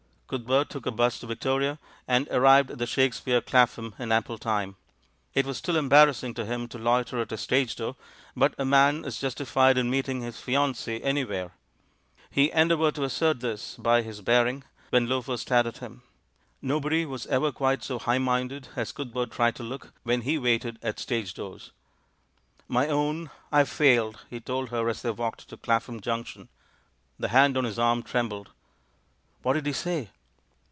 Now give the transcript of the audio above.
Cuthbert took a bus to Victoria, and arrived at the Shakespeare, Clapham, in ample time. It was still embarrassing to him to loiter at a stage 268 THE MAN WHO UNDERSTOOD WOMEN door; but a man is justified in meeting his fiancee anywhere. He endeavoured to assert this by his bearing when loafers stared at him. Nobody was ever quite so high nanded as Cuthbert tried to look when he waited at stage doors. "My own, I have failed," he told her, as they walked to Clapham Junction. The hand on his arm trembled. "What did he say?"